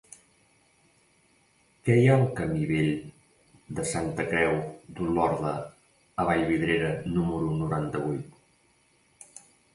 Què hi ha al camí Vell de Santa Creu d'Olorda a Vallvidrera número noranta-vuit?